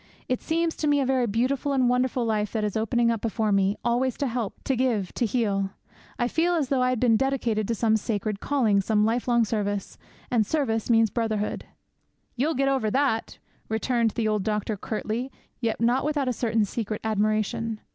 It seems to me a very beautiful and wonderful life that is opening up before me, always to help, to give, to heal. I feel as though I had been dedicated to some sacred calling, some lifelong service. And service means brotherhood." '"You'll get over that!" returned the old doctor curtly, yet not without a certain secret admiration.